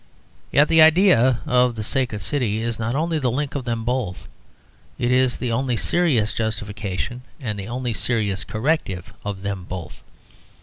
Yet the idea of the sacred city is not only the link of them both, it is the only serious justification and the only serious corrective of them both.